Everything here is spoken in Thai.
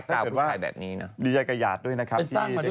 เอาเป็นว่าดีใจกับหยาดด้วยนะครับ